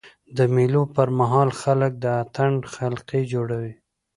د مېلو پر مهال خلک د اتڼ حلقې جوړوي.